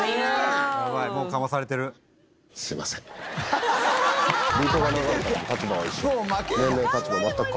「えっ？」